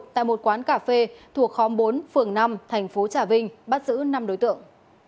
tại một quán cà phê thuộc khóm bốn phường năm thành phố trà vinh bắt giữ năm đối tượng